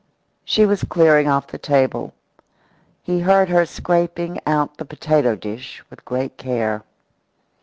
She was clearing off the table. He heard her scraping out the potato dish with great care.